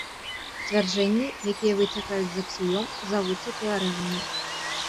Сцвярджэнні, якія выцякаюць з аксіём, завуцца тэарэмамі.